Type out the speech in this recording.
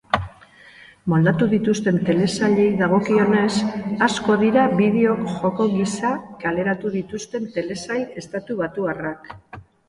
Moldatu dituzten telesailei dagokienez, asko dira bideo-joko gisa kaleratu dituzten telesail estatubatuarrak.